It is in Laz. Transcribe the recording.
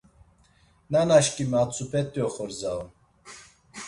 Nanaşkimi atzup̌et̆i oxorza on.